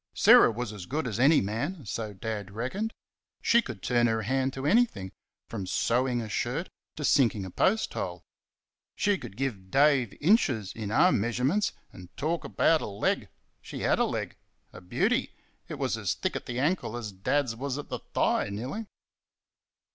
Sarah was as good as any man so Dad reckoned. She could turn her hand to anything, from sewing a shirt to sinking a post hole. She could give Dave inches in arm measurements, and talk about a leg! She HAD a leg a beauty! It was as thick at the ankle as Dad's was at the thigh, nearly.